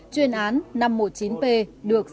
chuyên án năm trăm một mươi chín p được